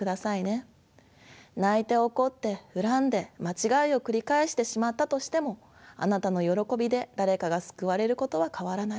泣いて怒って恨んで間違いを繰り返してしまったとしてもあなたのよろこびで誰かが救われることは変わらない。